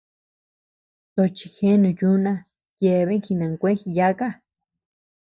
Tochi jeanu yuna yeabean jinkue jiyáka.